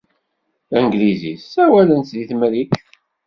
Tanglizit ssawalen-tt deg Temrikt.